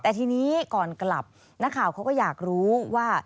แต่ทีนี้ก่อนกลับนักข่าวเขาก็อยากรู้ว่า